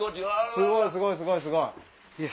すごいすごいすごいすごい！